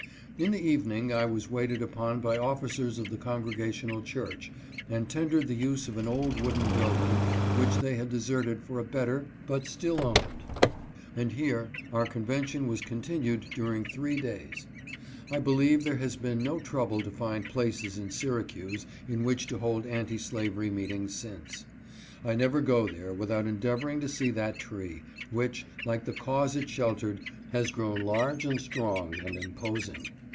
In the evening I was waited upon by officers of the Congregational church and tendered the use of an old wooden building which they had deserted for a better, but still owned, and here our convention was continued during three days. I believe there has been no trouble to find places in Syracuse in which to hold anti slavery meetings since. I never go there without en deavoring to see that tree, which, like the cause it sheltered, has grown large and strong and imposing.